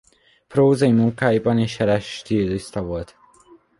Prózai munkáiban is jeles stiliszta volt.